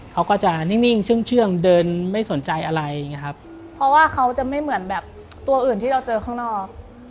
เขาจะไม่เหมือนแบบตัวอื่นที่เราเจอข้างนอก